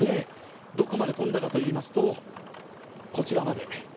どこまで飛んだかといいますと、こちらまで。